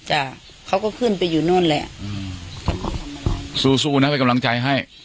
เขาก็ขึ้นไปอยู่นู่นแหละอืมสู้สู้นะเป็นกำลังใจให้